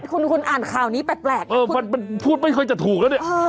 คุณคุณอ่านข่าวนี้แปลกเออมันพูดไม่ค่อยจะถูกแล้วเนี่ย